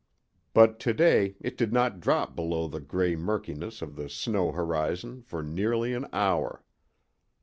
But to day it did not drop below the gray murkiness of the snow horizon for nearly an hour.